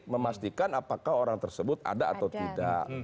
memastikan apakah orang tersebut ada atau tidak